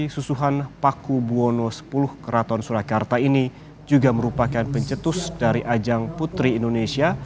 susuhan paku buwono x keraton surakarta ini juga merupakan pencetus dari ajang putri indonesia